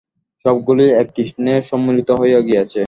সবগুলি এক কৃষ্ণে সম্মিলিত হইয়া গিয়াছে।